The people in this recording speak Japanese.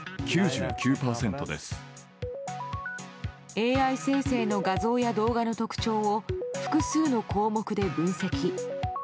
ＡＩ生成の画像や動画の特徴を複数の項目で分析。